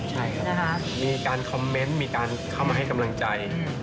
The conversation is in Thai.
ใช่ครับมีการคอมเมนต์มีการเข้ามาให้กำลังใจ